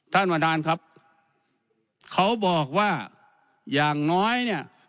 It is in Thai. ท่านประธานครับเขาบอกว่าอย่างน้อยเนี่ย